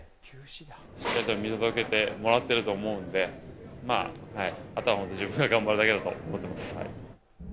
しっかりと見届けてくれてると思うので、あとは本当、自分が頑張るだけだと思ってます。